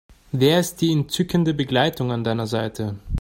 Wer ist die entzückende Begleitung an deiner Seite?